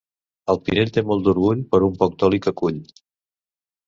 El Pinell té molt d'orgull per un poc d'oli que cull.